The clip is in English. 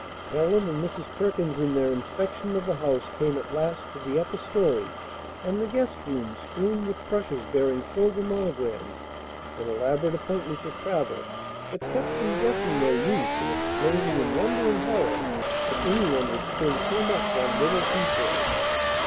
Ellen and Mrs. Perkins in their inspection of the house came at last to the upper story and the guests' room strewn with brushes bearing silver monograms and elaborate appointments of travel that kept them guessing their use and exclaiming in wonder and horror that any one would spend so much on little details.